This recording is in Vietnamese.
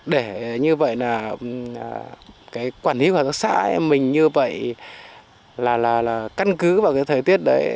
để như vậy là cái quản lý quả sạc xã mình như vậy là là là căn cứ vào cái thời tiết đấy